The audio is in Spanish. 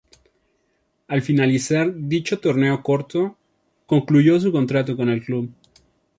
Al finalizar dicho torneo corto, concluyó su contrato con el club.